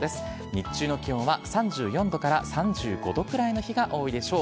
日中の気温は３４度から３５度くらいの日が多いでしょう。